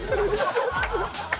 ちょっと。